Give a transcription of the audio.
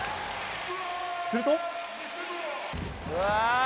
すると。